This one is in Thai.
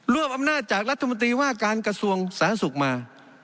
อำนาจจากรัฐมนตรีว่าการกระทรวงสาธารณสุขมา